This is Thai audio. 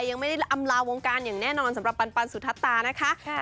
ยังไม่ได้อำลาวงการอย่างแน่นอนสำหรับปันสุทัศตานะคะ